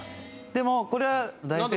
でもこれは大成功。